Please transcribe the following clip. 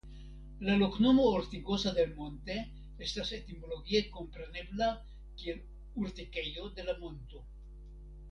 La loknomo "Ortigosa del Monte" estas etimologie komprenebla kiel Urtikejo de la Monto.